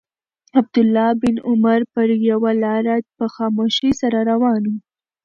عبدالله بن عمر پر یوه لاره په خاموشۍ سره روان و.